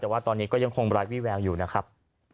แต่ว่าตอนนี้ก็ยังคงไร้วิแววอยู่นะครับ